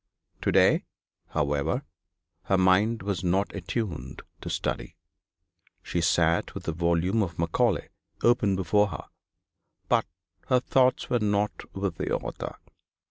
To day, however, her mind was not attuned to study. She sat with a volume of Macaulay open before her: but her thoughts were not with the author.